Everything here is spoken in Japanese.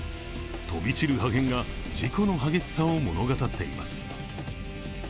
飛び散る破片が事故の激しさを物語っています。